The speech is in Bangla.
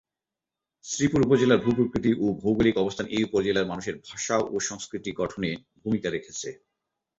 শ্রীপুর উপজেলার ভূ-প্রকৃতি ও ভৌগোলিক অবস্থান এই উপজেলার মানুষের ভাষা ও সংস্কৃতি গঠনে ভূমিকা রেখেছে।